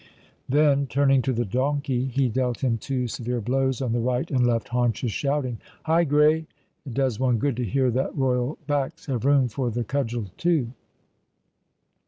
Then, turning to the donkey, he dealt him two severe blows on the right and left haunches, shouting: "Hi, Grey! It does one good to hear that royal backs have room for the cudgel too."